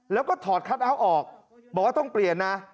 แล้วก็ถอดคัทเอาท์ออกบอกว่าต้องเปลี่ยนนะ